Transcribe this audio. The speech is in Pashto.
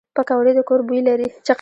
پکورې د کور بوی لري